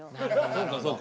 そうかそうか。